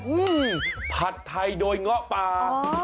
ผัดไทยโดยเงาะปลา